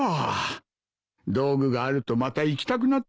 道具があるとまた行きたくなってしまうからなあ。